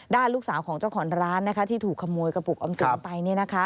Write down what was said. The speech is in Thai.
ลูกสาวของเจ้าของร้านที่ถูกขโมยกระปุกออมสินไป